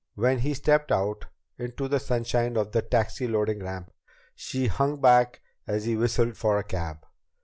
When he stepped out into the sunshine of the taxi loading ramp, she hung back as he whistled for a cab.